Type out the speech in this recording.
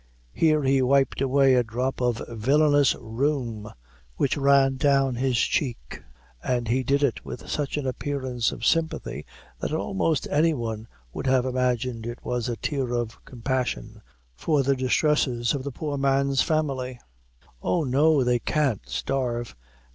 Here he wiped away a drop of villainous rheum which ran down his cheek, and he did it with such an appearance of sympathy, that almost any one would have imagined it was a tear of compassion for the distresses of the poor man's family. "Oh! no, they can't starve.